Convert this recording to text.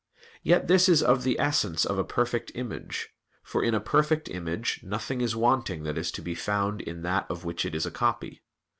Yet this is of the essence of a perfect image; for in a perfect image nothing is wanting that is to be found in that of which it is a copy.